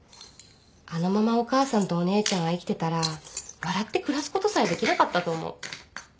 あのままお母さんとお姉ちゃんが生きてたら笑って暮らすことさえできなかったと思う。